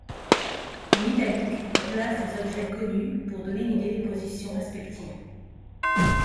En italique, on place les objets connus, pour donner une idée des positions respectives.